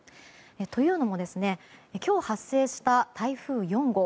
というのも今日、発生した台風４号